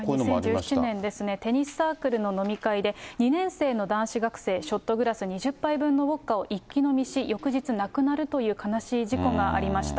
２０１７年ですね、テニスサークルの飲み会で、２年生の男子学生、ショットグラス２０杯分のウォッカを一気飲みし、翌日亡くなるという悲しい事故がありました。